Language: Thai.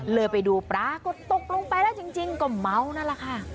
เลยไปดูปรากฏตกลงไปแล้วจริงก็เมานั่นแหละค่ะ